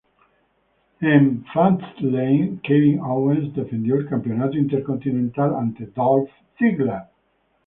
En "Fastlane", Kevin Owens defendió el Campeonato Intercontinental ante Dolph Ziggler.